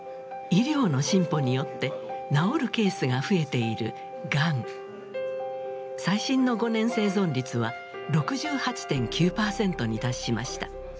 医療の進歩によって治るケースが増えている最新の５年生存率は６８．９％に達しました。